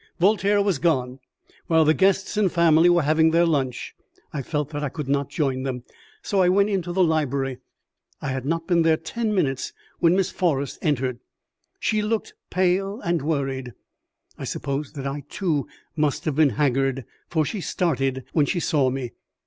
Voltaire was gone, while the guests and family were having their lunch. I felt that I could not join them, so I went into the library. I had not been there ten minutes when Miss Forrest entered. She looked pale and worried. I suppose that I, too, must have been haggard, for she started when she saw me.